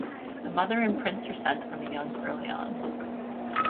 The mother imprints her scent on the young early on.